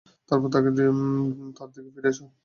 তারপর তার দিকেই ফিরে এস।